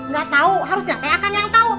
ga tau harus nyampe akang yang tau